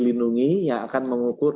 lindungi yang akan mengukur